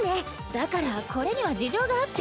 だからこれには事情があって。